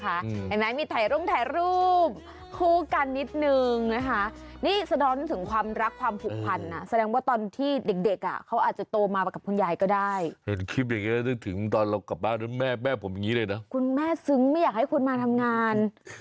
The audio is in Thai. คุณแม่ซึ้งไม่อยากที่คุณมาทำงาน